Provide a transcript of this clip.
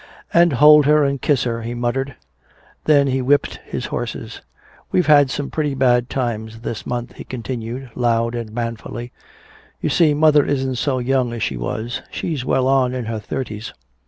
"And hold her and kiss her," he muttered. Then he whipped his horses. "We've had some pretty bad times this month," he continued, loud and manfully. "You see, mother isn't so young as she was. She's well on in her thirties."